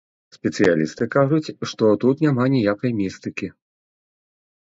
Спецыялісты кажуць, што тут няма ніякай містыкі.